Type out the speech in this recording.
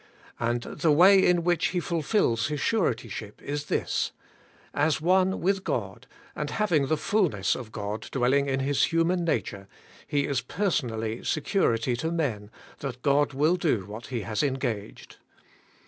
And the way in which He fulfils His suretyship is this: As one with God, and having the fulness of God dwelling in His human nature. He is personally security to men that God will do what He has engaged.